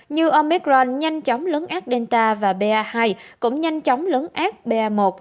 như omicron nhanh chóng lớn ác delta và ba hai cũng nhanh chóng lớn ác ba một